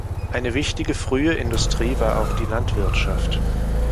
Eine wichtige frühe Industrie war auch die Landwirtschaft.